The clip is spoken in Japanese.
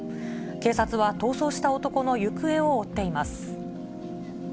警察は逃走した男の行方を追っています。